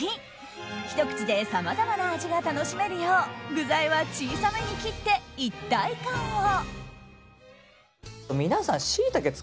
ひと口でさまざまな味が楽しめるよう具材は小さめに切って一体感を！